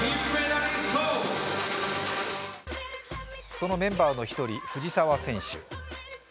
そのメンバーの１人、藤澤選手。